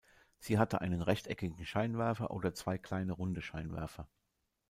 Sie hatte einen rechteckigen Scheinwerfer, oder zwei kleine runde Scheinwerfer.